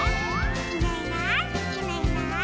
「いないいないいないいない」